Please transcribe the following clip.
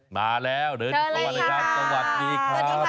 มาแล้วหนึ่งสวัสดีครับ